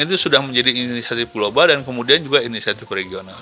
itu sudah menjadi inisiatif global dan kemudian juga inisiatif regional